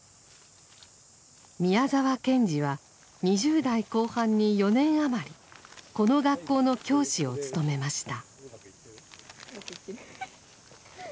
宮沢賢治は２０代後半に４年余りこの学校の教師を務めました。